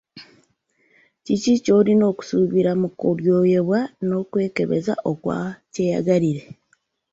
Kiki ky’olina okusuubira mu kulyoyebwa n’okwekebeza okwa kyeyagalire?